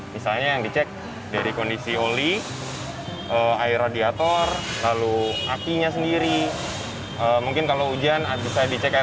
misalnya yang dicek dari kondisi oli air radiator lalu apinya sendiri mungkin kalau hujan bisa dicek